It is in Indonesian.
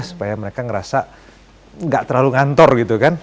supaya mereka ngerasa gak terlalu ngantor gitu kan